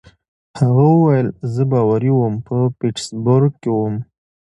هغه وویل: زه باوري وم، په پیټسبرګ کې ووم.